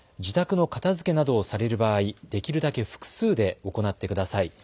自宅の片づけなどをされる場合、できるだけ複数で行ってください。